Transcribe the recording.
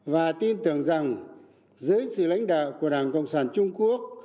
và tin tưởng rằng dưới sự lãnh đạo của đảng cộng sản trung quốc